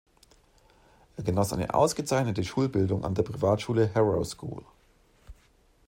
Er genoss eine ausgezeichnete Schulbildung an der Privatschule Harrow School.